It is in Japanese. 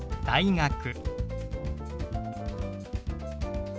「大学」。